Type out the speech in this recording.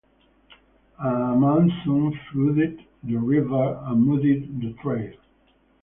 A monsoon flooded the river and muddied the trail.